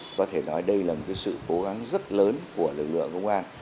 có thể nói đây là một sự cố gắng rất lớn của lực lượng công an